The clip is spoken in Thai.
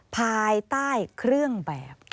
ภายใต้เครื่องแบบ